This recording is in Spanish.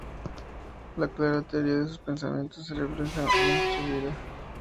La clara teoría de sus pensamientos se refleja en su vida.